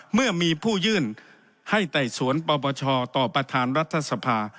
เมื่อมีผู้ยื่นให้ไต่สวนปปชต่อประธานรัฐสภา